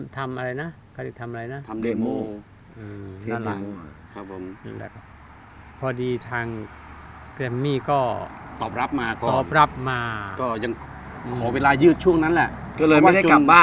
ทำอะไรนะทำเดโมพอดีทางเกรมมี่ก็ตอบรับมาก็ยังขอเวลายืดช่วงนั้นแหละ